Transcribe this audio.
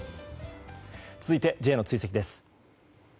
続いて、Ｊの追跡です。